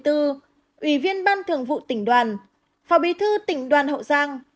ủy viên ban thường vụ tỉnh đoàn phó bí thư tỉnh đoàn hậu giang